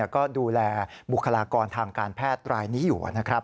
ก็ดูแลบุคลากรทางการแพทย์รายนี้อยู่นะครับ